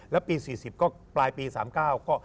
แล้วปี๔๐ก็ปลายปี๓๙ก็